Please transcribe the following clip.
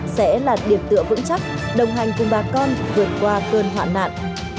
sẽ là điểm tựa vững chắc đồng hành cùng bà con vượt qua cơn hoạn nạn